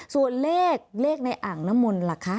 ส่วนเลขเลขในอ่างน้ำมนต์ล่ะคะ